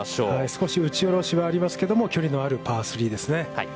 少し打ちおろしはありますけれども、距離のあるパー３ですね。